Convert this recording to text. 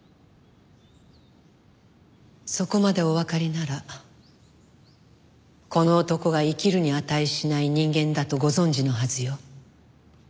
そこまでおわかりならこの男が生きるに値しない人間だとご存じのはずよ。